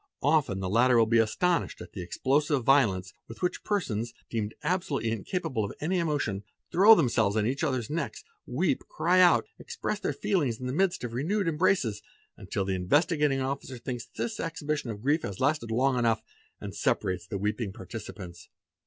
Often the latter will be astonished at the explosive violence with which persons, deemed absolutely incapable of any emotion, throw themselves on each others necks, weep, cry out, express their feelings in the midst of renewed embraces, until the Investigating Officer thinks this exhibition of grief has lasted long enough and separates the weeping participants.